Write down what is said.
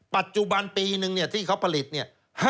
ปัจจุบันปีนึงที่เขาผลิตเนี่ย